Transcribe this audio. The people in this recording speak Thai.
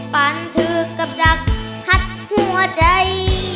ปั่นเธอกับดักหัดหัวใจ